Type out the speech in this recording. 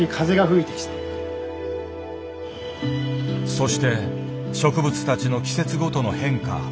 そして植物たちの季節ごとの変化